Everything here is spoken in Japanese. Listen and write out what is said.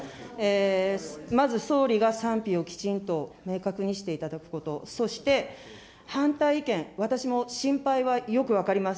まず総理が賛否をきちんと明確にしていただくこと、そして、反対意見、私も心配はよく分かります。